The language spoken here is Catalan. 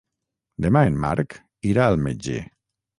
Demà en Marc irà al metge.